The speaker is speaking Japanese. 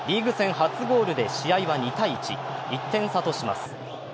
初ゴールで試合は２−１、１点差とします。